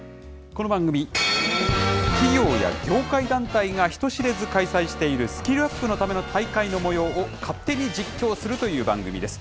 この番組、企業や業界団体が人知れず開催している、スキルアップのための大会のもようを勝手に実況するという番組です。